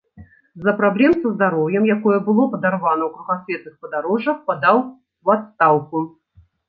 З-за праблем са здароўем, якое было падарвана ў кругасветных падарожжах, падаў у адстаўку.